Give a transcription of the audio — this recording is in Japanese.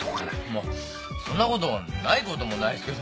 まあそんなことないこともないすけど。